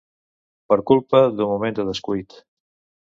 Per culpa d'un moment de descuit